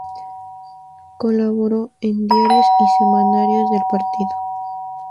Colaboró en diarios y semanarios del partido.